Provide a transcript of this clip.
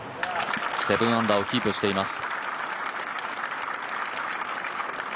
７アンダーをキープしています。